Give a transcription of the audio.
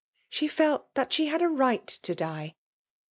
She felt that she had a right to die!